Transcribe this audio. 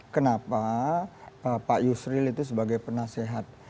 kenapa pak yusril itu sebagai penasehat